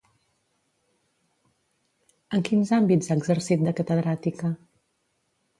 En quins àmbits ha exercit de catedràtica?